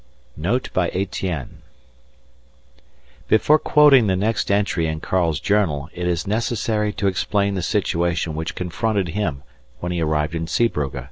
NOTE BY ETIENNE Before quoting the next entry in Karl's journal it is necessary to explain the situation which confronted him when he arrived in Zeebrugge.